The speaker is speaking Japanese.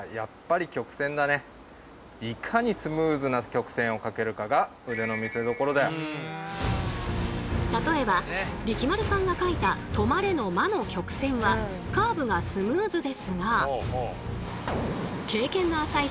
直径０．４ｍｍほどのなので例えば力丸さんが描いた「止まれ」の「ま」の曲線はカーブがスムーズですが。